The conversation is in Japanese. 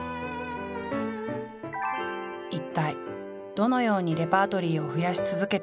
一体どのようにレパートリーを増やし続けてきたのか？